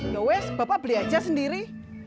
yowes bapak beli aja sendiri